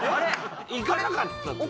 行かなかったって事？